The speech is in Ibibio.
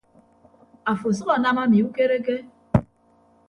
Afo asʌk anam ami ukereke.